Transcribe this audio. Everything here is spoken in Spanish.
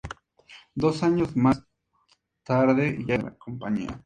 Dos años más tarde ya era miembro de la compañía.